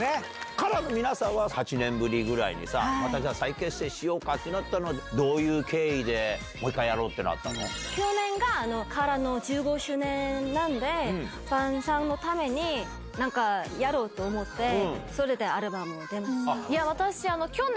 ＫＡＲＡの皆さんは８年ぶりぐらいにさ、また再結成しようかってなったのは、どういう経緯で、もう一回や去年がＫＡＲＡの１５周年なんで、ファンさんのためになんかやろうと思って、それでアルバムいや、私去年、